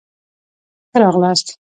ښه را غلاست